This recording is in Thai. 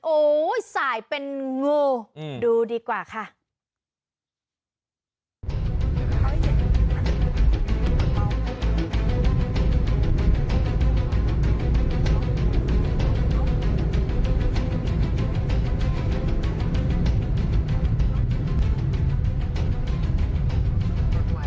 โอ้โหสายเป็นงูดูดีกว่าค่ะ